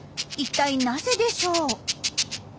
一体なぜでしょう？